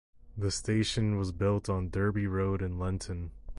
The station was built on Derby Road in Lenton.